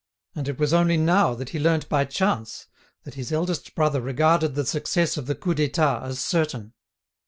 And it was only now he learnt by chance that his eldest brother regarded the success of the Coup d'État as certain!